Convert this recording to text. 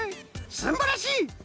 すんばらしい！